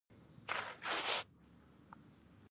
د ملا تیر د بدن ستون دی